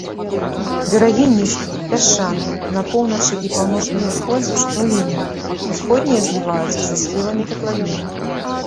Берагі нізкія, пясчаныя, на поўначы і паўночным усходзе сплавінныя, усходнія зліваюцца са схіламі катлавіны.